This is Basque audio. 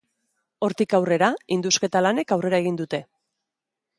Hortik aurrera, indusketa lanek aurrera egin dute.